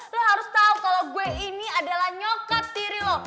lo harus tau kalau gue ini adalah nyokap diri lo